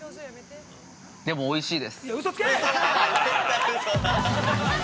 ◆でもおいしいです。